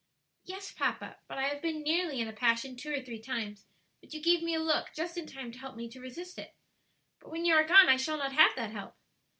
"Yes, papa; but I have been nearly in a passion two or three times; but you gave me a look just in time to help me to resist it. But when you are gone I shall not have that help."